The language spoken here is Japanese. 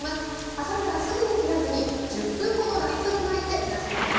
挟んだらすぐに切らずに１０分ほどラップで巻いてなじませます。